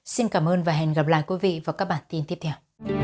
xin cảm ơn và hẹn gặp lại quý vị vào các bản tin tiếp theo